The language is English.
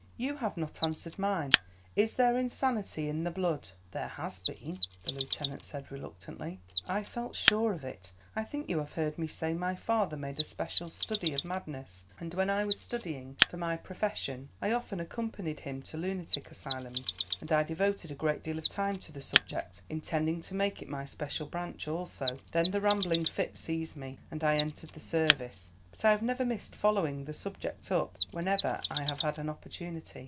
"You have not answered mine. Is there insanity in the blood?" "There has been," the lieutenant said, reluctantly. "I felt sure of it. I think you have heard me say my father made a special study of madness; and when I was studying for my profession I have often accompanied him to lunatic asylums, and I devoted a great deal of time to the subject, intending to make it my special branch also. Then the rambling fit seized me and I entered the service; but I have never missed following the subject up whenever I have had an opportunity.